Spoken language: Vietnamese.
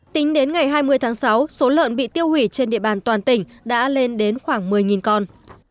tính đến ngày hai mươi tháng sáu số lợn bị tiêu hủy trên địa bàn toàn tỉnh đã lên đến khoảng một mươi con